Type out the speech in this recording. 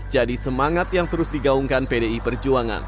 jadi semangat yang terus digaungkan pdi perjuangan